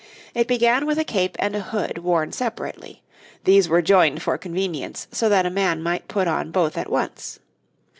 It began with a cape and a hood worn separately; these were joined for convenience so that a man might put on both at once.